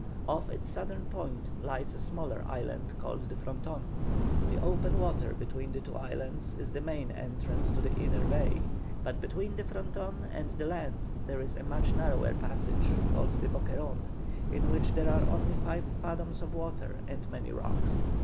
Off its southern point lies a smaller island called the Fronton. The open water between the two islands is the main entrance to the inner bay, but between the Fronton and the land there is a much narrower passage, called the Boqueron, in which there are only five fathoms of water and many rocks.